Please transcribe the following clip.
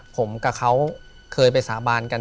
ผมกับเขาเคยไปสาบานกัน